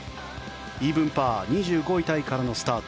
イーブンパー２５位タイからのスタート。